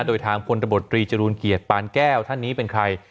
โดยทางพลตบตรีจรูลเกียรติปานแก้วท่านนี้เป็นใคร